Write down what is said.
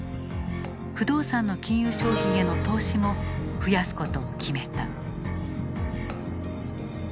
不動産の金融商品への投資も増やすことを決めた。